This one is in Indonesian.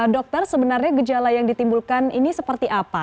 dokter sebenarnya gejala yang ditimbulkan ini seperti apa